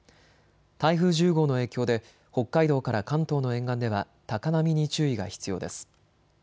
台風１０号の影響で北海道から関東の沿岸では高波に注意が必要です。